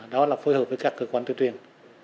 đó là phối hợp với các cơ quan tuyên truyền